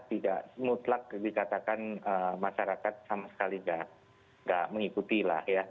tidak mutlak dikatakan masyarakat sama sekali tidak mengikuti lah ya